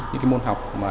những cái môn học liên quan